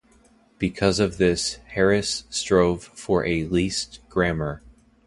Because of this, Harris strove for a 'least grammar'.